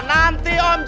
nanti om j